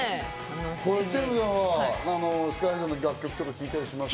テルマさんはＳＫＹ−ＨＩさんの楽曲とか聞いたりしますか？